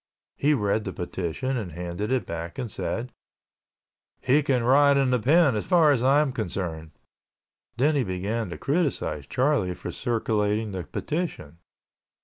He read the petition and handed it back and said, "He can rot in the pen as far as I am concerned." Then he began to criticize Charlie for circulating the petition.